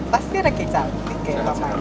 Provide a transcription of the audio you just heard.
pasti rekaan cantik ya